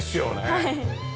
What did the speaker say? はい。